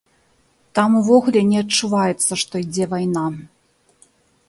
Там увогуле не адчуваецца, што ідзе вайна.